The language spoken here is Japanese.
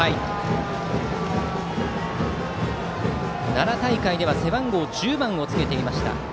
奈良大会では背番号１０番をつけていました